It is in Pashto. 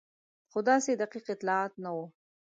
خو داسې دقیق اطلاعات نه وو.